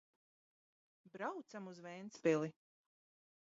Braucam uz Ventspili!